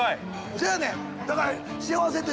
そうやねん。